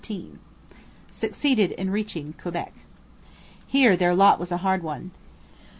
] succeeded in reaching Quebec. Here their lot was a hard one.